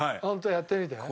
やってみて。